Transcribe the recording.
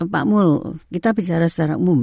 pak mul kita bicara secara umum